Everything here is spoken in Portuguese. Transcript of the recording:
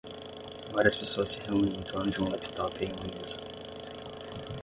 Várias pessoas se reúnem em torno de um laptop em uma mesa.